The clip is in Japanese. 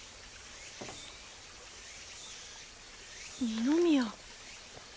二宮。